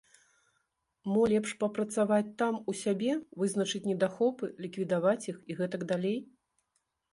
Мо, лепш папрацаваць там у сябе, вызначыць недахопы, ліквідаваць іх і гэтак далей?